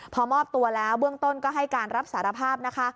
พอมอบตัวแล้วเบื้องต้นก็ให้การรับสารภาพนะคะ